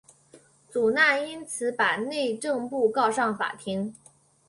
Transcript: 祖纳因此把内政部告上法庭。